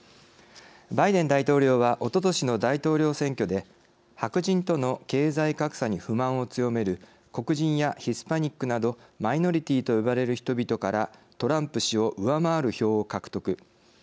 バイデン大統領はおととしの大統領選挙で白人との経済格差に不満を強める黒人やヒスパニックなどマイノリティと呼ばれる人々からトランプ氏を上回る票を獲得。